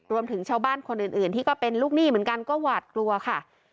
รวมถึงชาวบ้านคนอื่นที่ก็เป็นลูกหนี้เหมือนกันก็หวาดกลัวค่ะ